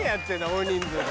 大人数で。